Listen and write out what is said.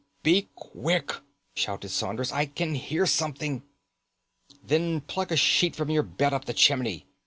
"Be quick!" shouted Saunders. "I can hear something!" "Then plug a sheet from your bed up the chimney.